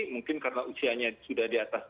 mungkin karena usianya sudah di atas